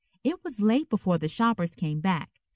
It was late before the shoppers came back.